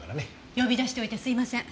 呼び出しておいてすみません。